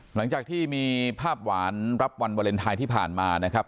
หลังจากที่มีภาพหวานรับวันวาเลนไทยที่ผ่านมานะครับ